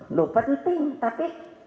belum penting tapi